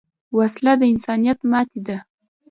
وسله د انسانیت ماتې ده